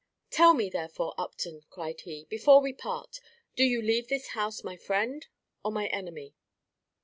"Tell me, therefore, Upton," cried he, "before we part, do you leave this house my friend or my enemy?"